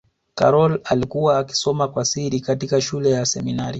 karol alikuwa akisoma kwa siri katika shule ya seminari